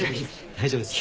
大丈夫です。